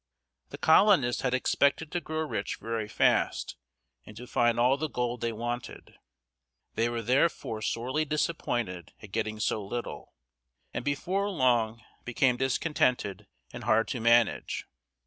The colonists had expected to grow rich very fast, and to find all the gold they wanted. They were therefore sorely disappointed at getting so little, and before long became discontented and hard to manage.